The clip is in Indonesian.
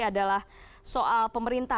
adalah soal pemerintah